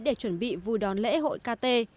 để chuẩn bị vui đón lễ hội kt